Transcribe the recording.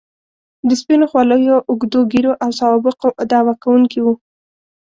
د سپینو خولیو، اوږدو ږیرو او سوابقو دعوه کوونکي وو.